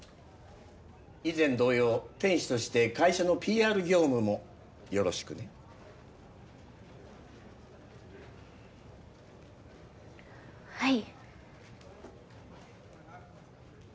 以前同様天使として会社のＰＲ業務もよろしくねはい